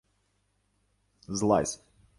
— Злазь.